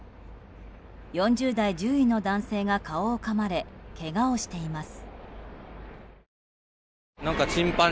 ４０代獣医の男性が顔をかまれ、けがをしています。